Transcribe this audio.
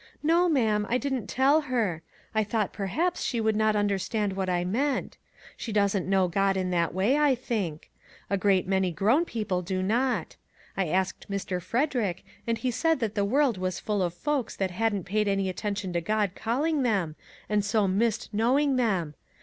" No, ma'am, I didn't tell her. I thought, perhaps, she would not understand what I meant. She doesn't know God in that way, I think. A great many "3 MAG AND MARGARET grown people do not. I asked Mr. Frederick, and he said that the world was full of folks that hadn't paid any attention to God calling them, and so missed knowing him.